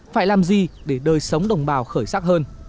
phải làm gì để đời sống đồng bào khởi sắc hơn